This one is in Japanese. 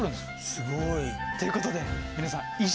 すごい！ということで皆さん以上です。